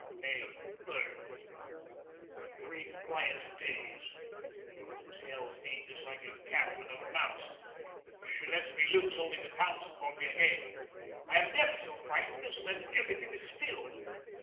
May 3. Three quiet days. This hell fiend is like a cat with a mouse. She lets me loose only to pounce upon me again. I am never so frightened as when every thing is still.